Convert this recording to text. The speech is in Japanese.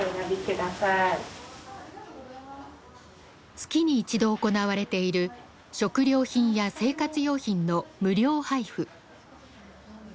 月に一度行われている食料品や生活用品の無料配布。